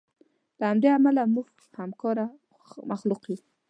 له همدې امله موږ همکاره مخلوق یو.